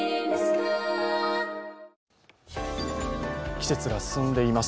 季節が進んでいます。